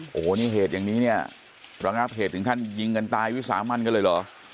โอ้โหนี่เหตุอย่างนี้เนี่ยระงับเหตุถึงขั้นยิงกันตายวิสามันกันเลยเหรอ